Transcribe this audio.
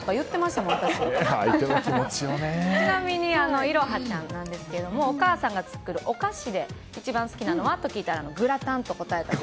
ちなみにいろはちゃんなんですけどお母さんが作るお菓子で、一番好きなのは？と聞いたらグラタンと答えたと。